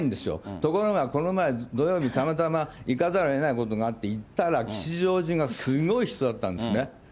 ところがこの前、土曜日、たまたま行かざるをえないことがあって、行ったら、吉祥寺がすごい人だったんですね。